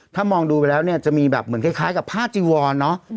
ถ้ามองดูไปแล้วเนี้ยจะมีแบบเหมือนคล้ายคล้ายกับพาจิวรเนอะอืม